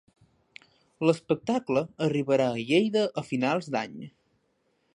L'espectacle arribarà a Lleida a finals d'any.